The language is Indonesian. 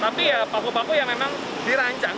tapi ya paku paku yang memang dirancang